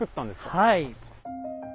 はい。